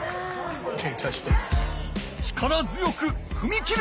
力強くふみ切る！